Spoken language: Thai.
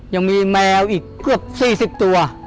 ยังมีแมวอีกเกือบ๔๐ตัว